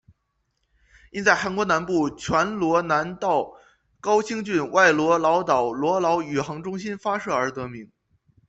因在韩国南部全罗南道高兴郡外罗老岛罗老宇航中心发射而得名。